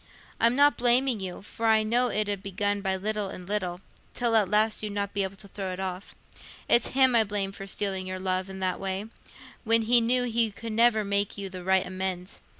I'm not blaming you, for I know it 'ud begin by little and little, till at last you'd not be able to throw it off. It's him I blame for stealing your love i' that way, when he knew he could never make you the right amends.